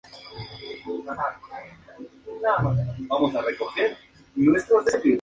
Es tolerante al frío y se puede encontrar en altitudes elevadas.